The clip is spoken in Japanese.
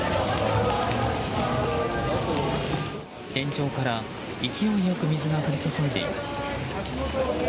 天井から勢いよく水が降り注いでいます。